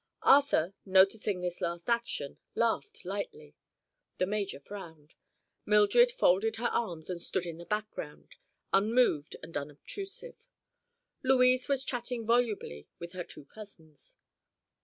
Arthur, noticing this last action, laughed lightly. The major frowned. Mildred folded her arms and stood in the background unmoved and unobtrusive. Louise was chatting volubly with her two cousins.